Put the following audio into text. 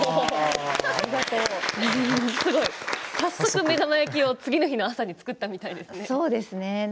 早速、目玉焼きを次の日の朝に作ったみたいですね。